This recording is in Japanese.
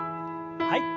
はい。